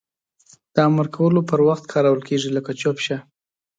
د امر کولو پر وخت کارول کیږي لکه چوپ شه!